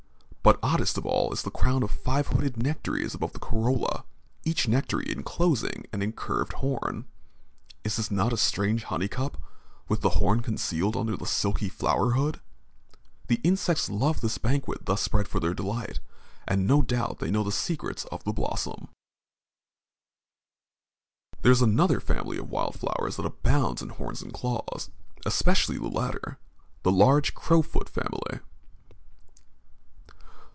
But oddest of all is the crown of five hooded nectaries above the corolla, each nectary enclosing an incurved horn. Is not this a strange honey cup with the horn concealed under the silky flower hood? The insects love the banquet thus spread for their delight and no doubt they know the secrets of the blossom. There is another family of wild flowers that abounds in horns and claws, especially the latter the large crowfoot family.